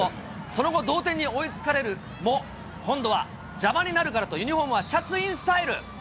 その後、同点に追いつかれるも、今度は、邪魔になるからと、ユニホームはシャツインスタイル。